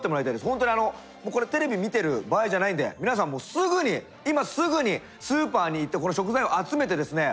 ほんとにあのこれテレビ見てる場合じゃないんで皆さんもすぐに今すぐにスーパーに行ってこの食材を集めてですね